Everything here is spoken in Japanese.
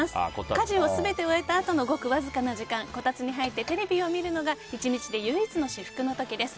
家事を全て終えたあとのごくわずかな時間こたつに入ってテレビを見るのが１日で唯一の至福の時です。